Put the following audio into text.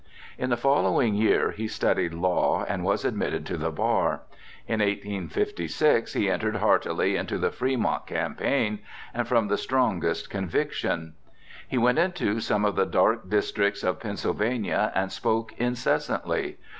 In the following year he studied law and was admitted to the bar. In 1856 he entered heartily into the Fremont campaign, and from the strongest conviction. He went into some of the dark districts of Pennsylvania and spoke incessantly.